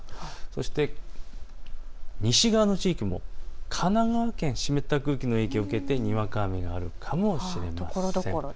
そして西側の地域も神奈川県、湿った空気の影響を受けてにわか雨があるかもしれません。